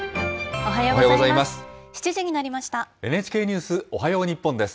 おはようございます。